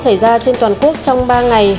xảy ra trên toàn quốc trong ba ngày